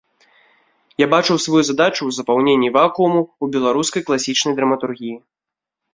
Я бачыў сваю задачу ў запаўненні вакууму ў беларускай класічнай драматургіі.